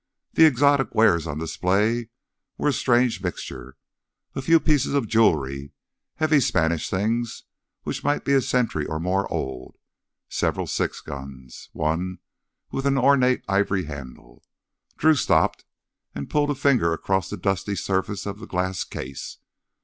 The exotic wares on display were a strange mixture: a few pieces of jewelry, heavy Spanish things which might be a century or more old, several six guns—one with an ornate ivory handle.... Drew stopped and pulled a finger across the dusty surface of the glass case.